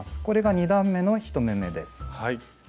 これが２段めの１目めです。